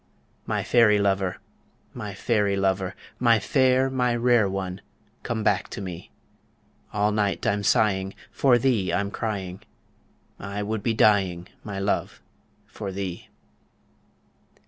My fairy lover, my fairy lover, My fair, my rare one, come back to me All night I'm sighing, for thee I'm crying, I would be dying, my love, for thee.